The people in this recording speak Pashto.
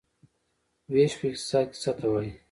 ویش په اقتصاد کې څه ته وايي؟